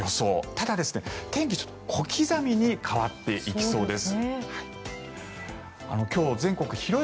ただ、天気は小刻みに変わっていきそうです。